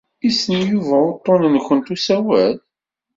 Yessen Yuba uḍḍun-nwent n usawal?